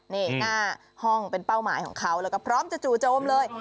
นี่หน้าห้องเป็นเป้าหมายของเขาแล้วก็พร้อมจะจู่โจมเลย